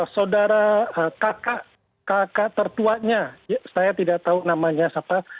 saudara kakak tertuanya saya tidak tahu namanya siapa